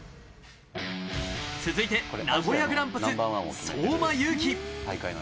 続いて名古屋グランパス、相馬勇紀。